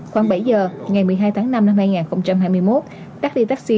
khoảng bảy giờ ngày một mươi hai tháng năm năm hai nghìn hai mươi một đắc đi taxi